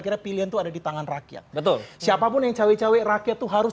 kira pilihan tuh ada di tangan rakyat betul siapapun yang cewek cewek rakyat tuh harus